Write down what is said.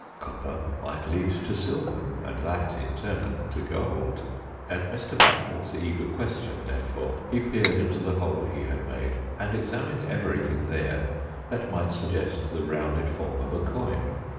Copper might lead to silver, and that, in turn, to gold. At Mr. Batchel's eager question, therefore, he peered into the hole he had made, and examined everything there that might suggest the rounded form of a coin.